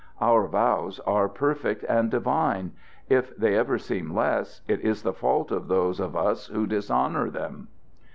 "Our vows are perfect and divine. If they ever seem less, it is the fault of those of us who dishonor them."